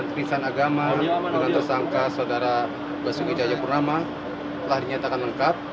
juga perintisan agama dengan tersangka saudara basuki cahaya purnama telah dinyatakan lengkap